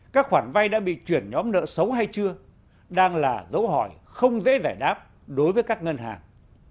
các khoản vay đã bị chuyển nhóm nợ xấu hay chưa đang là dấu hỏi không dễ giải đáp đối với các ngân hàng